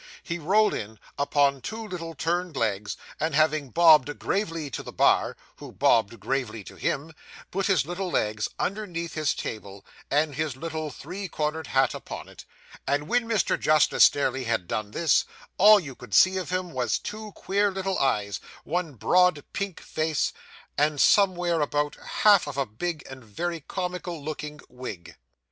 He rolled in, upon two little turned legs, and having bobbed gravely to the Bar, who bobbed gravely to him, put his little legs underneath his table, and his little three cornered hat upon it; and when Mr. Justice Stareleigh had done this, all you could see of him was two queer little eyes, one broad pink face, and somewhere about half of a big and very comical looking wig.